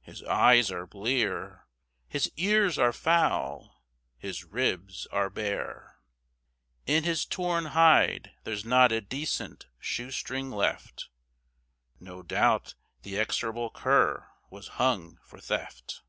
"His eyes are blear!" "His ears are foul!" "His ribs are bare!" "In his torn hide there's not a decent shoestring left, No doubt the execrable cur was hung for theft."